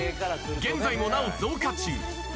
現在もなお増加中。